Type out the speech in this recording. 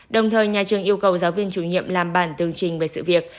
đồng thời nhà trường yêu cầu giáo viên chủ nhiệm làm bản tường trình về sự việc